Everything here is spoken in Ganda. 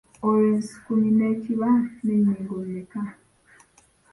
Olwo ensukumi ne kiba n’ennyingo mmeka?